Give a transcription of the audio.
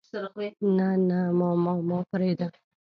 نه نه ماما ما پرېده.